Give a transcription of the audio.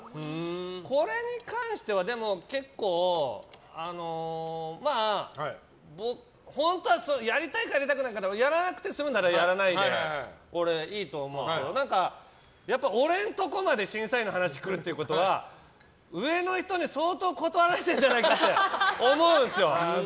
これに関してはやりたいかやりたくないかやらなくて済むならやらないでいいと思うんですけどやっぱり俺のとこまで審査員の話が来るってことは上の人に相当断られてるんじゃないかって思うんですよ。